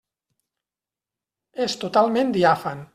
És totalment diàfan.